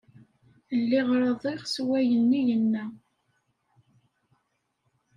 Lliɣ raḍiɣ s wayenni yenna.